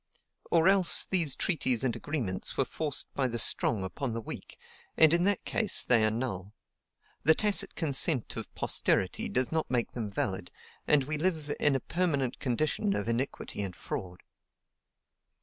or else these treaties and agreements were forced by the strong upon the weak, and in that case they are null; the tacit consent of posterity does not make them valid, and we live in a permanent condition of iniquity and fraud.